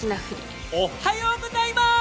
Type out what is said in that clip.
おっはようございます！